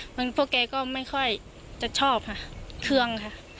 เพราะงั้นพวกเขาก็ไม่ค่อยจะชอบค่ะเครื่องค่ะ